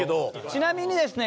ちなみにですね